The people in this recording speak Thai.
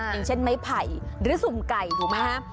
อย่างเช่นไม้ไผ่หรือสุ่มไก่ถูกไหมฮะ